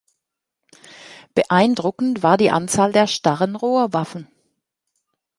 Beeindruckend war die Anzahl der starren Rohrwaffen.